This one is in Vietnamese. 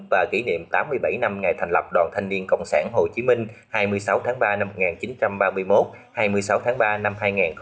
và kỷ niệm tám mươi bảy năm ngày thành lập đoàn thanh niên cộng sản hồ chí minh hai mươi sáu tháng ba năm một nghìn chín trăm ba mươi một hai mươi sáu tháng ba năm hai nghìn hai mươi